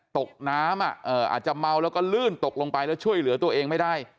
ตกน้ำอาจจะเมาแล้วก็ลื่นตกลงไปแล้วช่วยเหลือตัวเองไม่ได้